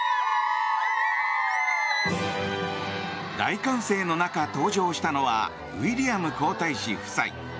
大歓声の中、登場したのはウィリアム皇太子夫妻。